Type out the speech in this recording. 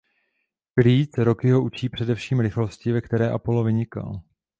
Creed Rockyho učí především rychlosti ve které Apollo vynikal.